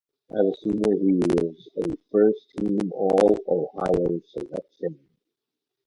As a senior, he was a first team All-Ohio selection.